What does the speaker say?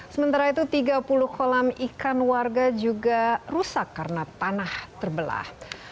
sementara itu tiga puluh kolam ikan warga juga rusak karena tanah terbelah